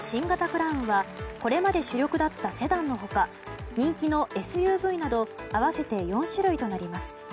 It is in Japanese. クラウンはこれまで主力だったセダンの他人気のＳＵＶなど合わせて４種類となります。